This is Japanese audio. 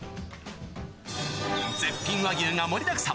絶品和牛が盛りだくさん。